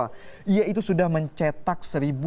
dan setelah itu dia mencetak